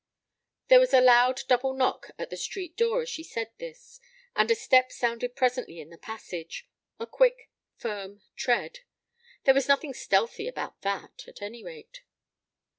There was a loud double knock at the street door as she said this, and a step sounded presently in the passage; a quick, firm tread. There was nothing stealthy about that, at any rate.